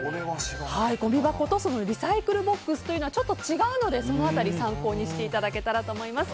ごみ箱とリサイクルボックスというのは違うのでその辺り、参考にしていただけたらと思います。